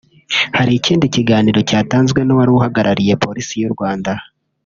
Hari kandi ikiganiro cyatanzwe n’uwari uhagarariye Polisi y’u Rwanda